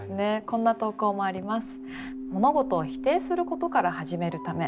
こんな投稿もあります。